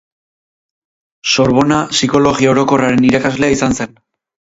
Sorbona Psikologia Orokorraren irakaslea izan zen.